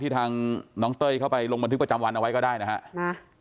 ทางน้องเต้ยเข้าไปลงบันทึกประจำวันเอาไว้ก็ได้นะฮะ